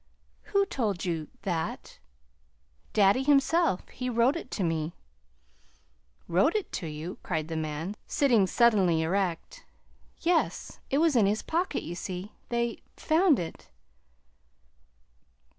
"Who told you that?" "Daddy himself. He wrote it to me." "Wrote it to you!" cried the man, sitting suddenly erect. "Yes. It was in his pocket, you see. They found it."